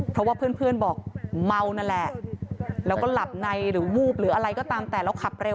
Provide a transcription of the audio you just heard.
เพราะว่าเพื่อนบอกเมานั่นแหละแล้วก็หลับในหรือวูบหรืออะไรก็ตามแต่เราขับเร็ว